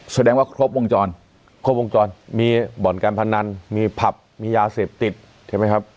แสดงว่าครบวงจรครบวงจรมีบ่อนการพนันมีผับมียาเสพติดใช่ไหมครับ